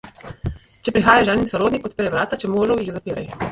Če prihaja ženin sorodnik, odpiraj vrata, če možev, jih zapiraj.